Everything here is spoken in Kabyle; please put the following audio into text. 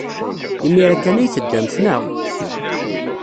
Imir-a kan ay teddamt, naɣ?